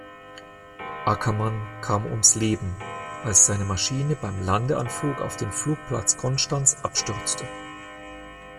Ackermann kam ums Leben, als seine Maschine beim Landeanflug auf den Flugplatz Konstanz abstürzte.